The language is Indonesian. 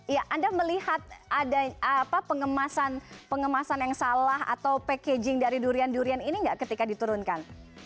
ya anda melihat ada pengemasan yang salah atau packaging dari durian durian ini nggak ketika diturunkan